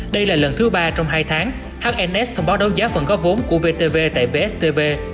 đây là lần thứ ba trong hai tháng hns thông báo đấu giá phần góp vốn của vtv tại vstv